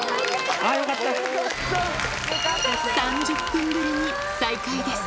３０分ぶりに再会です。